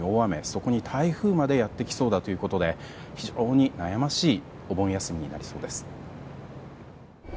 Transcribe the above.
そこに台風までやってきそうだということで非常に悩ましいお盆休みになりそうです。